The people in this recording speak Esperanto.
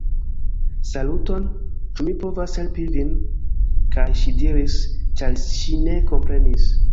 Saluton? Ĉu mi povas helpi vin? kaj ŝi diris, ĉar ŝi ne komprenis: